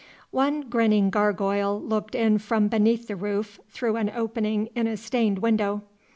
One grinning gargoyle looked in from beneath the roof through an opening in a stained window.